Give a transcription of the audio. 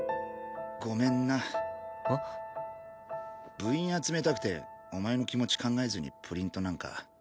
部員集めたくてお前の気持ち考えずにプリントなんか。